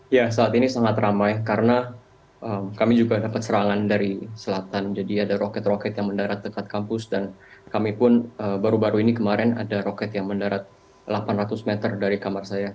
ya saat ini sangat ramai karena kami juga dapat serangan dari selatan jadi ada roket roket yang mendarat dekat kampus dan kami pun baru baru ini kemarin ada roket yang mendarat delapan ratus meter dari kamar saya